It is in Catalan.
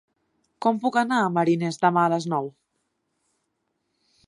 Com puc anar a Marines demà a les nou?